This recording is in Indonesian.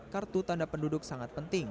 kartu tanda penduduk sangat penting